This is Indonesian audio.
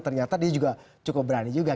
ternyata dia juga cukup berani juga